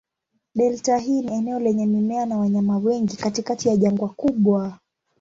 Delta hii ni eneo lenye mimea na wanyama wengi katikati ya jangwa kubwa.